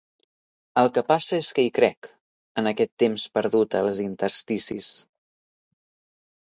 El que passa és que hi crec, en aquest temps perdut als intersticis.